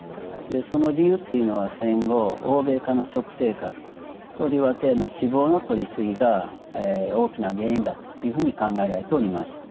その理由っていうのは戦後欧米化の食生活とりわけ脂肪のとり過ぎが大きな原因だというふうに考えられております。